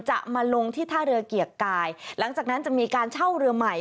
จะมาลงที่ท่าเรือเกียรติกายหลังจากนั้นจะมีการเช่าเรือใหม่